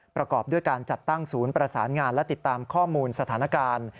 ประกอบด้วยการจัดตั้งศูนย์ประสานงานและติดตามข้อมูลสถานการณ์